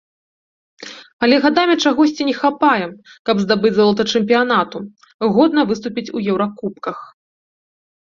Але гадамі чагосьці не хапае, каб здабыць золата чэмпіянату, годна выступіць у еўракубках.